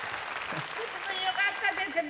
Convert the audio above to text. よかったですね。